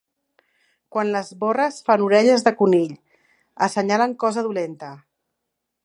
Quan les borres fan orelles de conill, assenyalen cosa dolenta.